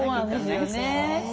そうなんですよね。